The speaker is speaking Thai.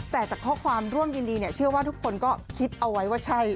แต่จากข้อความร่วมยินดีเนี่ยเชื่อว่าทุกคนก็คิดเอาไว้ว่าใช่